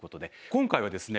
今回はですね